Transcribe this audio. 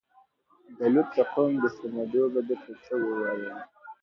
د لوط د قوم د سمېدو به درته څه ووايم